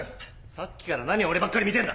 さっきから何俺ばっかり見てんだ！？